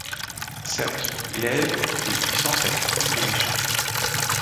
Sceptre, glaive et puissance à quiconque est méchant ;